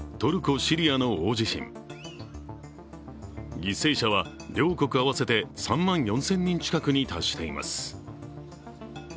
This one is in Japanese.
犠牲者は両国合わせて３万４０００人近くに達しています。